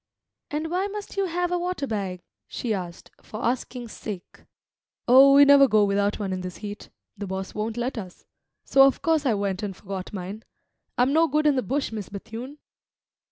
"And why must you have a water bag?" she asked, for asking's sake. "Oh, we never go without one in this heat. The boss won't let us. So of course I went and forgot mine. I'm no good in the bush, Miss Bethune!"